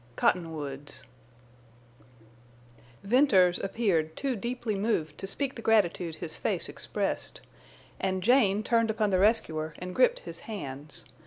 COTTONWOODS Venters appeared too deeply moved to speak the gratitude his face expressed. And Jane turned upon the rescuer and gripped his hands.